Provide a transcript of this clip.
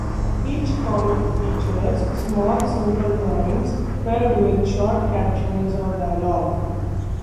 Each comic features small, simple drawings, paired with short captions or dialogue.